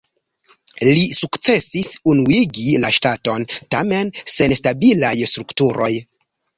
Li sukcesis unuigi la ŝtaton, tamen sen stabilaj strukturoj.